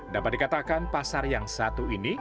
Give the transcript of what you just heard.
dapat dikatakan pasar yang satu ini